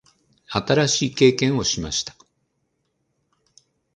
新しい経験をしました。